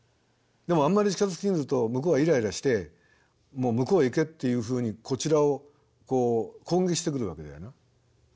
でもあんまり近づき過ぎると向こうはイライラしてもう向こうへ行けっていうふうにこちらを攻撃してくるわけだよな。